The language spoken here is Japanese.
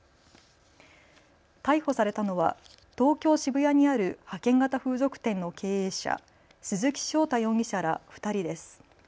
逮捕されたのは東京渋谷にある派遣型風俗店の経営者、鈴木翔太容疑者ら２人です。